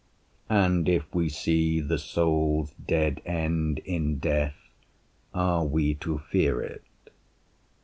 And if we see the soul's dead end in death, Are we to fear it?